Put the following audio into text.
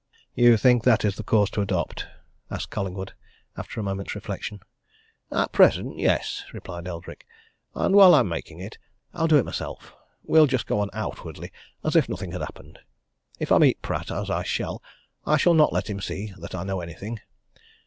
"You think that is the course to adopt?" asked Collingwood, after a moment's reflection. "At present yes," replied Eldrick. "And while I'm making it I'll do it myself we'll just go on outwardly as if nothing had happened. If I meet Pratt as I shall I shall not let him see that I know anything.